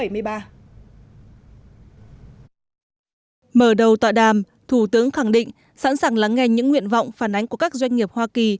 mở đầu tọa đàm thủ tướng khẳng định sẵn sàng lắng nghe những nguyện vọng phản ánh của các doanh nghiệp hoa kỳ